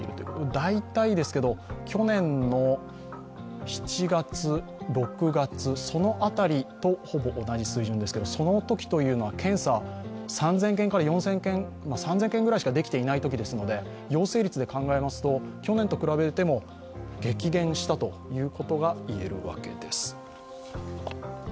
大体ですけど、去年の７月、６月その辺りとほぼ同じ水準ですけど、検査、３０００件ぐらいしかできていないときですので陽性率で考えますと去年と比べても激減したということかいえるわけです。